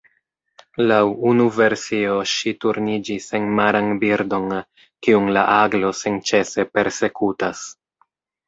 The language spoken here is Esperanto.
Laŭ unu versio ŝi turniĝis en maran birdon, kiun la aglo senĉese persekutas.